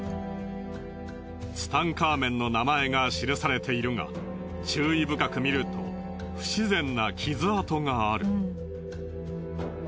ツタンカーメンの名前が記されているが注意深く見ると不自然な傷跡がある。